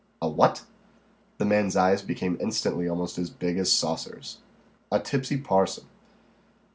"A what?" The man's eyes became instantly almost as big as saucers. "A tipsy parson."